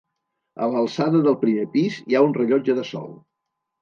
A l'alçada del primer pis hi ha un rellotge de sol.